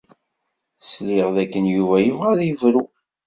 Sliɣ d akken Yuba yebɣa ad yebru.